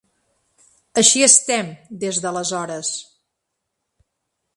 Així estem des d’aleshores.